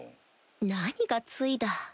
何が「つい」だ